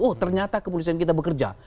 oh ternyata kepolisian kita bekerja